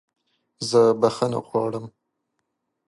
زه بخښنه غواړم!